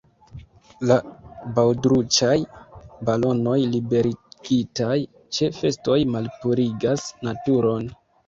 La baŭdruĉaj balonoj liberigitaj ĉe festoj malpurigas naturon.